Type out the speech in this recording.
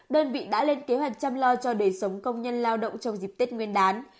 đơn vị đã lên kế hoạch chăm lo cho đời sống công nhân lao động trong dịp tết nguyên đán